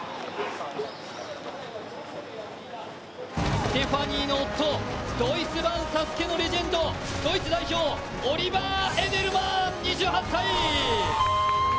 ステファニーの夫ドイツ版ＳＡＳＵＫＥのレジェンド、ドイツ代表オリバー・エデルマン２８歳。